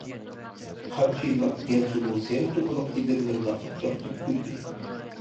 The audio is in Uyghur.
قانچە يىللاپ گەنسۇنىڭ سېرىق توپىلىق ئېدىرلىرىدا ئات چاپتۇرۇپ يۈردى.